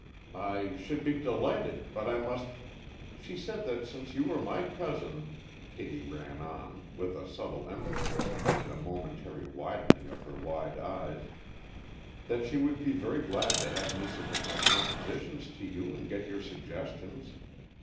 "I should be delighted, but I must " "She said that since you were my cousin," Kittie ran on, with a subtle emphasis, and a momentary widening of her wide eyes, "that she would be very glad to have me submit my compositions to you and get your suggestions.